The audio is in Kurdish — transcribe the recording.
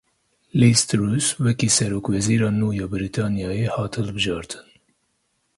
LizTruss wekî Serokwezîra nû ya Brîtanyayê hat hilbijartin.